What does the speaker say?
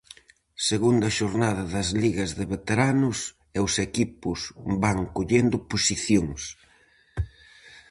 Segunda xornada das ligas de veteranos e os equipos van collendo posicións.